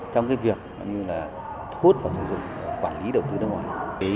trong việc thu hút và sử dụng quản lý đầu tư nước ngoài